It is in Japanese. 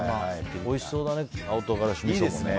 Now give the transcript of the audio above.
おいしそうだね、青唐辛子みそ。